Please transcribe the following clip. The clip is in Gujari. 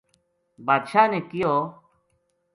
بادشاہ نے کہیو